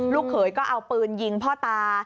เขยก็เอาปืนยิงพ่อตา